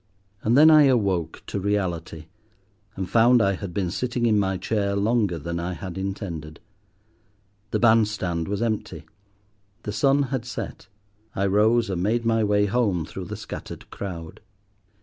And then I awoke to reality, and found I had been sitting in my chair longer than I had intended. The band stand was empty, the sun had set; I rose and made my way home through the scattered crowd.